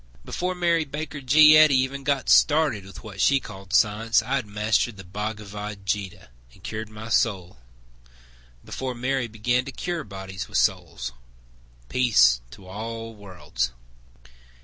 Before Mary Baker G. Eddy even got started With what she called science I had mastered the "Bhagavad Gita," And cured my soul, before Mary Began to cure bodies with souls— Peace to all worlds!